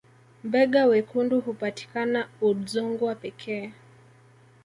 mbega wekundu hupatikana udzungwa pekee